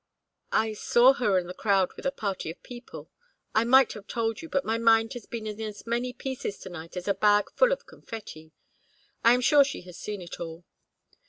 "I saw her in the crowd with a party of people. I might have told you, but my mind has been in as many pieces to night as a bag full of confetti. I am sure she has seen it all."